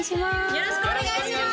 よろしくお願いします